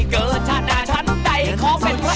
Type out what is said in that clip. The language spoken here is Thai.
เกิดธนาชันใดขอเป็นรักเอกสติ